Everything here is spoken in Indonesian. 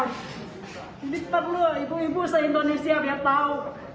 ini perlu ibu ibu se indonesia biar tahu